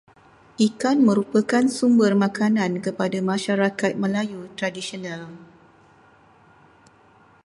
Ikan merupakan sumber makanan kepada masyarakat Melayu tradisional.